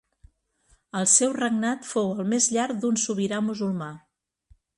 El seu regnat fou el més llarg d'un sobirà musulmà.